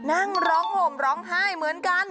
นั่งร้องห่มร้องไห้เหมือนกัน